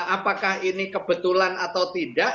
apakah ini kebetulan atau tidak